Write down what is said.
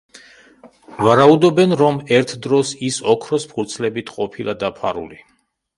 ვარაუდობენ, რომ ერთ დროს ის ოქროს ფურცლებით ყოფილა დაფარული.